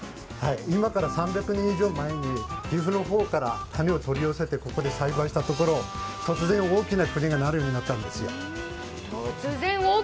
今から３００年以上前に岐阜の方から種を取り寄せてここで栽培したところ、突然大きな栗がなるようになったんです。